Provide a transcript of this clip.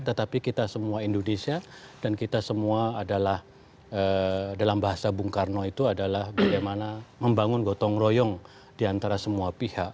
tetapi kita semua indonesia dan kita semua adalah dalam bahasa bung karno itu adalah bagaimana membangun gotong royong diantara semua pihak